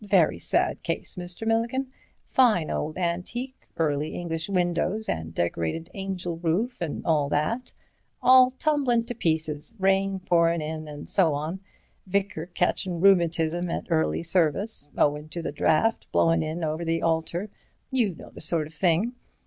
Very sad case, Mr. Milligan—fine old antique—early English windows and decorated angel roof, and all that—all tumblin' to pieces, rain pourin' in and so on—vicar catchin' rheumatism at early service, owin' to the draught blowin' in over the altar—you know the sort of thing.